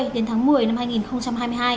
đến tháng một mươi năm hai nghìn hai mươi hai